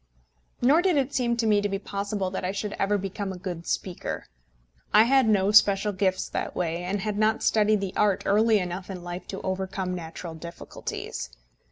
Nor did it seem to me to be possible that I should ever become a good speaker. I had no special gifts that way, and had not studied the art early enough in life to overcome natural difficulties.